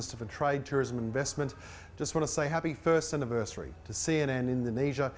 terus mengalir dari pemirsa setia cnn indonesia